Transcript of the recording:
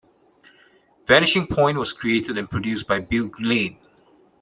"Vanishing Point" was created and produced by Bill Lane.